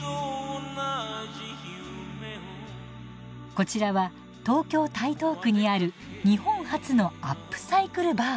こちらは東京・台東区にある日本初のアップサイクルバー。